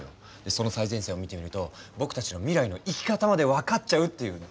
その最前線を見てみると僕たちの未来の生き方まで分かっちゃうっていうね。